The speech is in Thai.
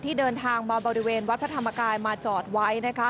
เดินทางมาบริเวณวัดพระธรรมกายมาจอดไว้นะคะ